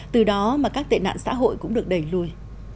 từ đó mà các tệ nạn xã hội cũng được đẩy lùi